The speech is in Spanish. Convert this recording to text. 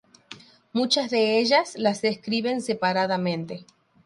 Muchas de ellas las escriben separadamente.